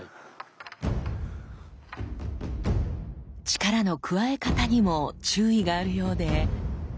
力の加え方にも注意があるようで。